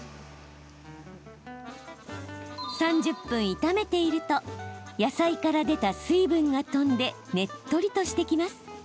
３０分炒めていると野菜から出た水分が飛んでねっとりとしてきます。